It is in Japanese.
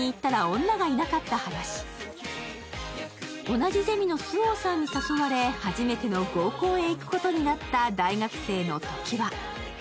同じゼミのスオウさんに誘われ、初めての合コンへ行くことになったトキワ。